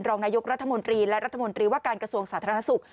รองนายกรัฐมนตรีและรัฐมนตรีว่าการกระทรวงสาธารณสุข